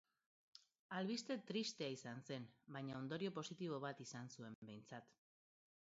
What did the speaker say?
Albiste tristea izan zen, baina ondorio positibo bat izan zuen behintzat.